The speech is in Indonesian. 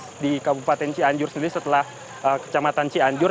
kecamatan yang cukup luas di kabupaten cianjur sendiri setelah kecamatan cianjur